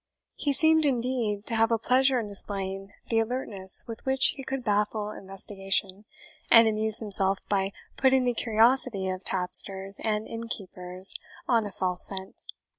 He seemed, indeed, to have a pleasure in displaying the alertness with which he could baffle investigation, and amuse himself by putting the curiosity of tapsters and inn keepers on a false scent.